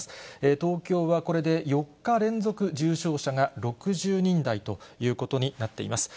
東京はこれで４日連続、重症者が６０人台ということになっています。